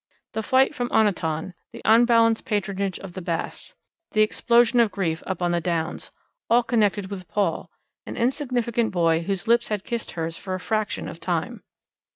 The flight from Oniton; the unbalanced patronage of the Basts; the explosion of grief up on the Downs all connected with Paul, an insignificant boy whose lips had kissed hers for a fraction of time.